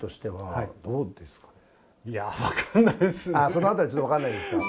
その辺りちょっと分かんないですか。